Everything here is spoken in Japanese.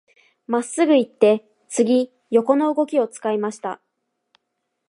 真っすぐ行って、次、横の動きを使いました。